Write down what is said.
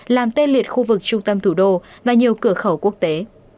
làm tê liệt khu vực trung tâm thủ đô và nhiều cửa khẩu quốc tế